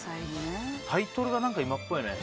タイトルが今っぽいね。